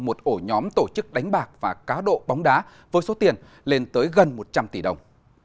một ổ nhóm tổ chức đánh bạc và cá độ bóng đá với số tiền lên tới gần một trăm linh tỷ đồng